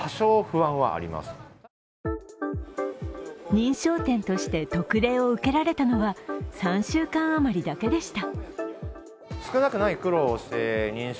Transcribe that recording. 認証店として特例を受けられたのは３週間あまりだけでした。